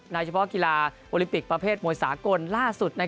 นักกีฬาโอลิมปิกประเภทมวยสากลล่าสุด